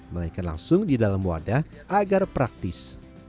melainkan langsung di dalam wadah agar praktis